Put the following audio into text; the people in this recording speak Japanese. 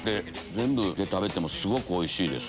全部で食べてもすごくおいしいです。